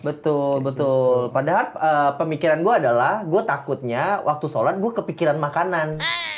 betul betul padahal pemikiran gue adalah gue takutnya waktu sholat gue kepikiran makanan